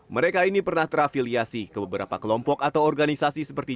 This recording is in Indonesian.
mereka ini pernah terafiliasi ke beberapa kelompok atau organisasi seperti